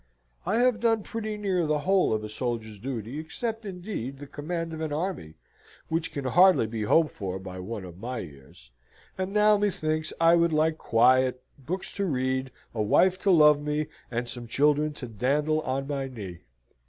I have done pretty near the whole of a soldier's duty, except, indeed, the command of an army, which can hardly be hoped for by one of my years; and now, methinks, I would like quiet, books to read, a wife to love me, and some children to dandle on my knee.